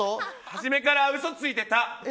初めから嘘ついてた。